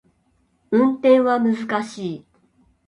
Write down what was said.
運転は難しい